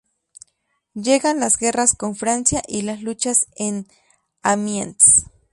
Llegan las Guerras con Francia y las luchas en Amiens.